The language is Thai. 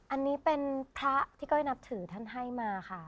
อันนี้เป็นพระที่ก้อยนับถือท่านให้มาค่ะ